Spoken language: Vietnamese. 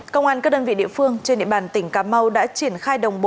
công an các đơn vị địa phương trên địa bàn tỉnh cà mau đã triển khai đồng bộ